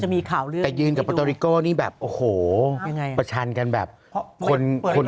นี่นะครับผมแต่ยืนกับปอโตริโก้นี่แบบโอ้โฮประชันกันแบบคน